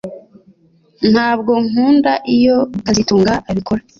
Ntabwo nkunda iyo kazitunga abikora